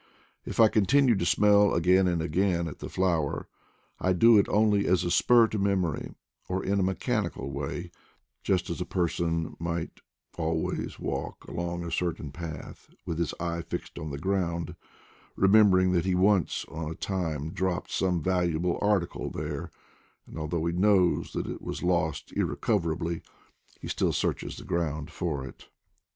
If I continue to smell again and again at the flower, I do it only as a spur to memory; or in a mechanical way, just as a person might always walk along a certain path with his eyes fixed on the ground, remembering that he once on a time dropped some valuable article there, and although he knows that it was lost irrecover ably, he still searches the ground for it.